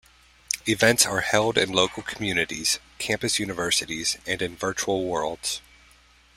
Events are held in local communities, campus universities and in virtual worlds.